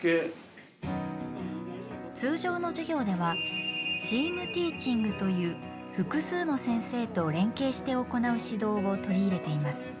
通常の授業ではチームティーチングという複数の先生と連携して行う指導を取り入れています。